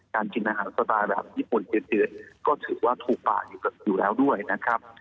กินอาหารสไตล์แบบญี่ปุ่นเดือดก็ถือว่าถูกปากอยู่แล้วด้วยนะครับ